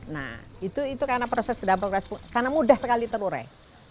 nah itu karena proses dampak karena mudah sekali terurai